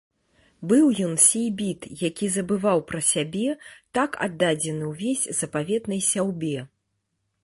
Быў ён сейбіт, які забываў пра сябе, так аддадзены ўвесь запаветнай сяўбе!